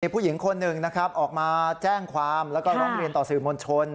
ผู้หญิงคนหนึ่งนะครับออกมาแจ้งความแล้วก็ร้องเรียนต่อสื่อมวลชน